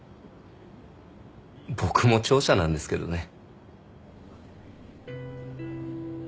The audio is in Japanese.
僕も聴者なんですけどね。